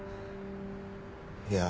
いや。